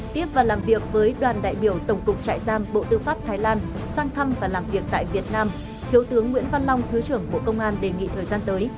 tiếp và làm việc với đoàn đại biểu tổng cục trại giam bộ tư pháp thái lan sang thăm và làm việc tại việt nam thiếu tướng nguyễn văn long thứ trưởng bộ công an đề nghị thời gian tới